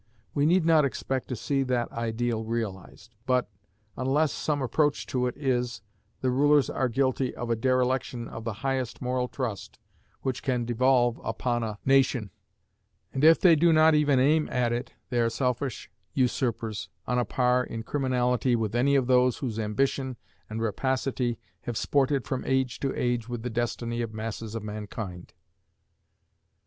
We need not expect to see that ideal realized; but, unless some approach to it is, the rulers are guilty of a dereliction of the highest moral trust which can devolve upon a nation; and if they do not even aim at it, they are selfish usurpers, on a par in criminality with any of those whose ambition and rapacity have sported from age to age with the destiny of masses of mankind.